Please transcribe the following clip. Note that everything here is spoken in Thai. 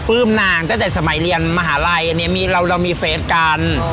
ปลื้มนางตั้งแต่สมัยเรียนมหาลัยอันนี้มีเราเรามีเฟสกันอ่า